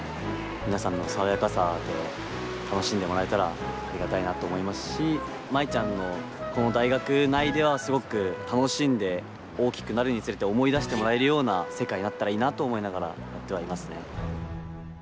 飛ぶことが夢っていうのって大変だなと思いますし舞ちゃんのこの大学内ではすごく楽しんで大きくなるにつれて思い出してもらえるような世界になったらいいなと思いながらやってはいますね。